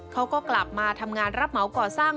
เขาก็กลับมาทำงานรับเหมาก่อสร้าง